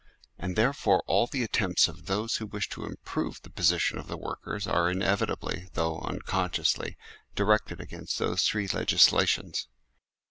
And therefore all the attempts of those who wish to improve the position of the workers are inevitably, though unconsciously, directed against those three legislations.